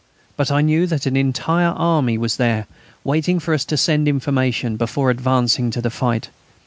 But I knew that an entire army was there, waiting for us to send information, before advancing to the fight.